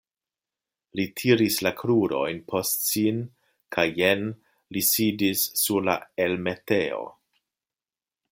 Li tiris la krurojn post sin kaj jen li sidis sur la elmetejo.